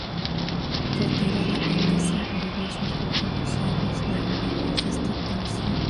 Retirada en Niza, vivió sus últimos años de una modesta pensión.